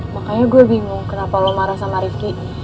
makanya gue bingung kenapa lo marah sama rifki